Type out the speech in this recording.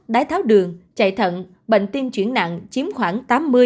đáy tháo đường chạy thận bệnh tiêm chuyển nặng chiếm khoảng tám mươi chín mươi năm